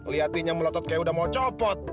lihatinnya melotot kayak udah mau copot